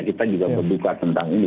kita juga berduka tentang ini